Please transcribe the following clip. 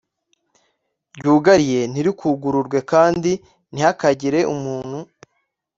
ryugariye ntirikugururwe kandi ntihakagire umuntu